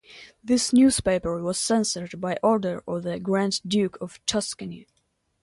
This newspaper was censored by order of the Grand Duke of Tuscany.